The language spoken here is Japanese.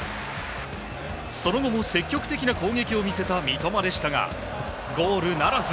その後も積極的な攻撃を見せた三笘でしたが、ゴールならず。